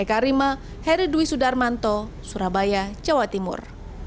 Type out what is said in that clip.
atau surabaya jawa timur